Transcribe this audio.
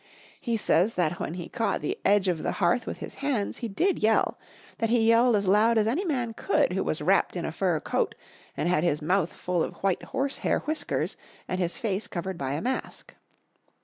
He says that when he caught the edge of the hearth with his hands he did yell; that he yelled as loud as any man could who was wrapped in a fur coat and had his mouth full of white horse hair whiskers and his face covered by a mask.